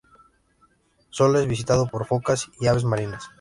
Sólo es visitado por focas y aves marinas.